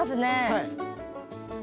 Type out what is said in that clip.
はい。